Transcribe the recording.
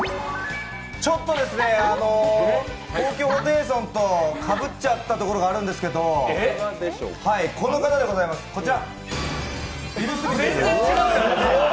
ちょっと東京ホテイソンとカブっちゃったところがあるんですけどこの方でございます、こちら。